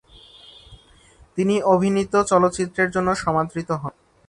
তিনি অভিনীত চলচ্চিত্রের জন্য সমাদৃত হন।